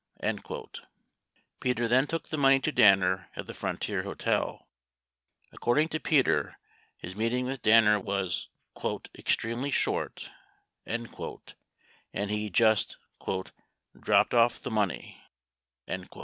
71 Peter then took the money to Danner at the Frontier Hotel. According to Peter, his meeting with Danner was "extremely short," and he just "dropped off the money ."